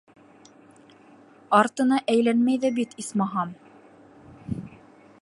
Артына әйләнмәй ҙә бит, исмаһам!